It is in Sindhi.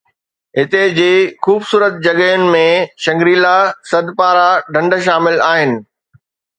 هتي جي خوبصورت جڳهن ۾ شنگري لا، سدپارا ڍنڍ شامل آهن